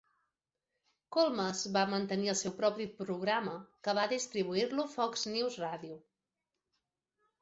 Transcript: Colmes va mantenir el seu propi programa, que va distribuir-lo Fox News Radio.